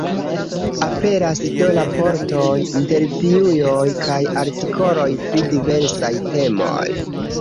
Aperas do raportoj, intervjuoj kaj artikoloj pri diversaj temoj.